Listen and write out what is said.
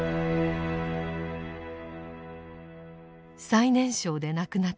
最年少で亡くなった一人